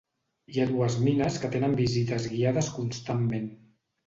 Hi ha dues mines que tenen visites guiades constantment.